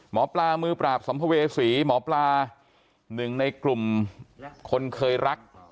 หมอปลามือปราบสัมภเวษีหมอปลาหนึ่งในกลุ่มคนเคยรัก